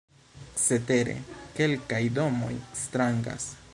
Cetere, kelkaj domoj strangas.